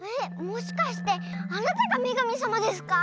もしかしてあなたがめがみさまですか？